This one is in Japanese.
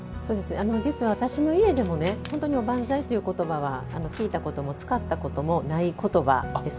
実は私の家でもおばんざいという言葉は聞いたことも、使ったこともない言葉です。